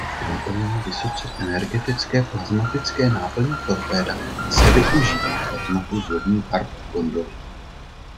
K naplnění vysoce energetické plazmatické náplně torpéda se využívá plazmatu z lodní warp gondoly.